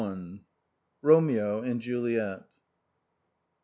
ROMEO AND JULIET.